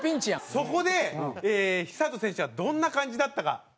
そこで寿人選手はどんな感じだったか。